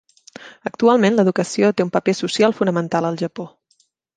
Actualment, l'educació té un paper social fonamental al Japó.